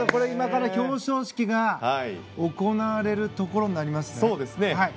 今から表彰式が行われるところになりますね。